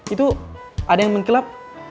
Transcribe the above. itu ada yang mengkilap